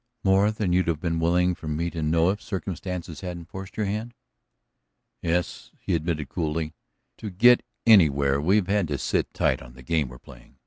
"More than you'd have been willing for me to know if circumstance hadn't forced your hand?" "Yes," he admitted coolly. "To get anywhere we've had to sit tight on the game we're playing.